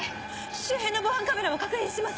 周辺の防犯カメラを確認します。